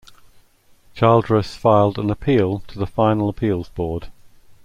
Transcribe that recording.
Childress filed an appeal to the Final Appeals Board.